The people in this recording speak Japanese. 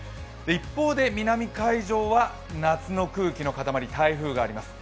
一方で南海上は夏の空気の塊、台風があります。